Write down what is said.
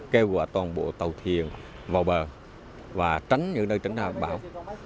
kêu gọi toàn bộ tàu thuyền vào bờ và tránh những nơi tránh ra bão